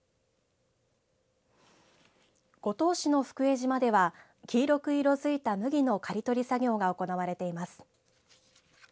五島市の福江島では黄色く色づいた麦の刈り取り作業が行われています。